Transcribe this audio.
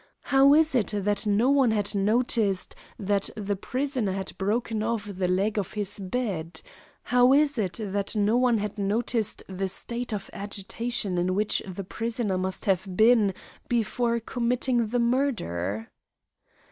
How is it that no one had noticed that the prisoner had broken off the leg of his bed? How is it that no one had noticed the state of agitation in which the prisoner must have been before committing the murder?